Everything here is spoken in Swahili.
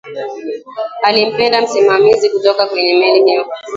alimpenda msimamizi kutoka kwenye meli hiyo